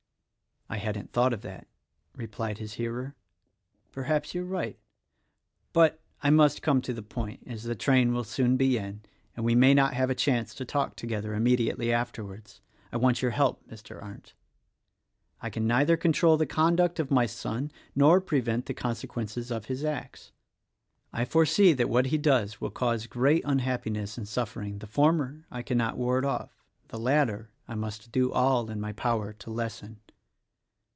"I hadn't thought of that," replied his hearer, "perhaps you are right; but I must come to the point — as the train will soon be in and we may not have a chance to talk together immediately afterwards. I want your help, Mr. Arndt! I can neither control the conduct of my son nor prevent the consequences of his acts. I foresee that what he does will cause great unhappiness and suffering — the former I cannot ward off: the latter I must do all in my power to lessen.